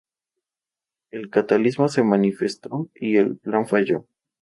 El cataclismo se manifestó y el plan falló.